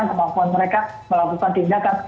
kemampuan mereka melakukan tindakan